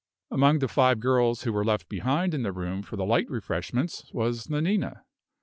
Among the five girls who were left behind in the room for the light refreshments was Nanina.